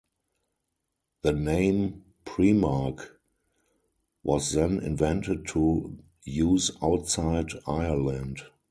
The name "Primark" was then invented to use outside Ireland.